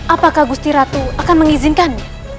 apakah gusti ratu akan mengizinkan